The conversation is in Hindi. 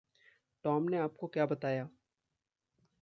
टॉम ने आपको क्या बताया?